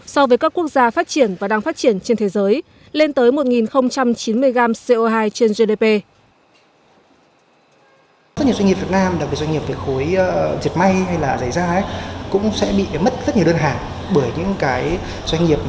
so với các quốc gia phát triển và đang phát triển trên thế giới lên tới một chín mươi gram co hai trên gdp